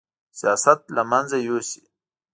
سیاست له منځه یوسي